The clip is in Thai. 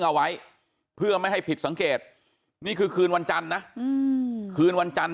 เอาไว้เพื่อไม่ให้ผิดสังเกตนี่คือคืนวันจันทร์นะคืนวันจันทร์